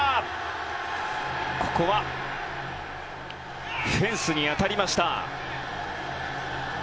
ここはフェンスに当たりました。